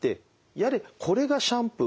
やれこれがシャンプー